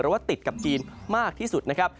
ว่าติดกับจีนมากที่สุดนะครับ